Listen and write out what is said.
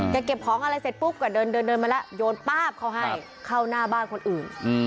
เก็บของอะไรเสร็จปุ๊บก็เดินเดินมาแล้วโยนป๊าบเขาให้เข้าหน้าบ้านคนอื่น